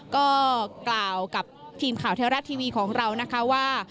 ก็กล่าวกับทีมข่าวเทวรัฐทีวีของเรานะคะว่า